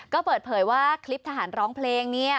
ก็เปิดเผยว่าคลิปทหารร้องเพลงเนี่ย